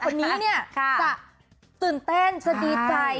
คนนี้เนี่ยจะตื่นเต้นจะดีใจ